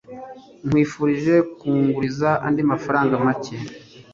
Nkwifurije kunguriza andi mafaranga make.